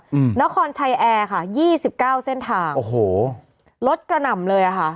อืมนครชัยแอร์ค่ะ๒๙เส้นทางโอ้โหรถกระหน่ำเลยอะค่ะ